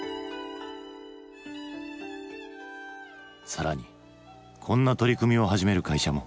更にこんな取り組みを始める会社も。